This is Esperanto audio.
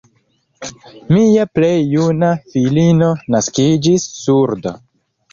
Mia plej juna filino naskiĝis surda.